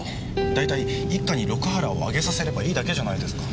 大体一課に六原をあげさせればいいだけじゃないですか。